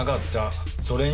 それに。